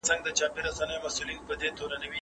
څه وخت به لوی قیامت راشي؟